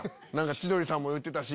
千鳥さんも言ってたし！